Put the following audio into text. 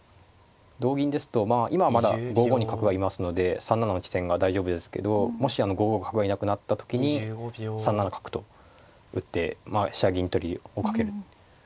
同銀ですと今はまだ５五に角がいますので３七の地点が大丈夫ですけどもしあの５五角がいなくなった時に３七角と打ってまあ飛車銀取りをかける。